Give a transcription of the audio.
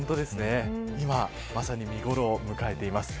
今、まさに見頃を迎えています。